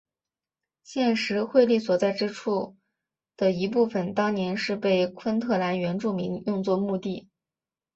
现时惠利所在之处的一部分当年是被昆特兰原住民用作墓地。